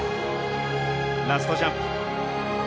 ラストジャンプ。